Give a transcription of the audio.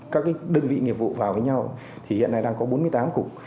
các đơn vị nghiệp vụ vào với nhau thì hiện nay đang có bốn mươi tám cục